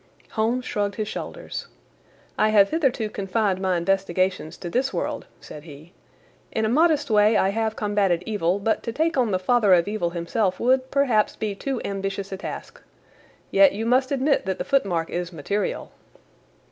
Holmes shrugged his shoulders. "I have hitherto confined my investigations to this world," said he. "In a modest way I have combated evil, but to take on the Father of Evil himself would, perhaps, be too ambitious a task. Yet you must admit that the footmark is material."